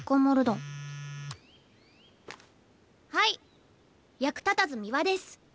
タッはい役立たず三輪です。